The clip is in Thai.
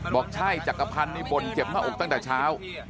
บอกใช่จักรพันธ์นี่บ่นเจ็บหน้าอกตั้งแต่เช้า